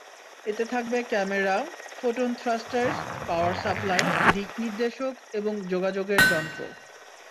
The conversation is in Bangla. এতে থাকবে camera, photon thrusters, power supply, দিকনির্দেশক এবং যোগাযোগের যন্ত্র।